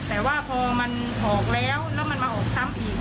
แต่ว่าพอมันออกแล้วแล้วมันมาออกซ้ำอีก